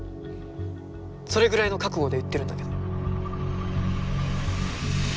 それぐらいの覚悟で言ってるんだけど。